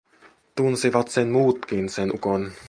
Tunsivat sen muutkin, sen ukon.